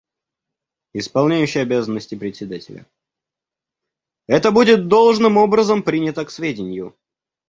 Исполняющий обязанности Председателя: Это будет должным образом принято к сведению.